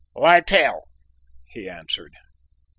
"Littell," he answered.